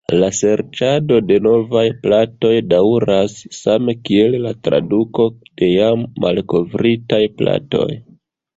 La serĉado de novaj platoj daŭras, same kiel la traduko de jam malkovritaj platoj.